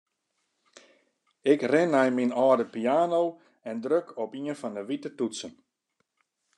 Ik rin nei myn âlde piano en druk op ien fan 'e wite toetsen.